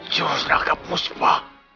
jurus naga puspa